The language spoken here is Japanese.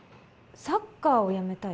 サッカーをやめたい？